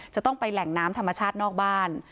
จะต้องไปแหล่งน้ำธรรมชาตินอกบ้าน